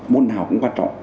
môn nào cũng quan trọng